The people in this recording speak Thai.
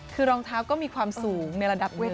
คือรองเท้าก็มีความสูงในระดับเวท